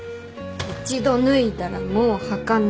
一度脱いだらもうはかない。